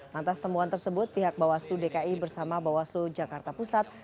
lantas temuan tersebut pihak bawaslu dki bersama bawaslu jakarta pusat